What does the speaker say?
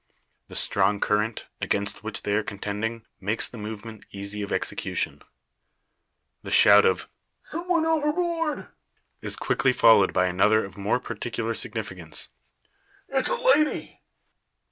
The strong current, against which they are contending, makes the movement easy of execution. The shout of, "some one overboard!" is quickly followed by another of more particular significance. "It's a lady!"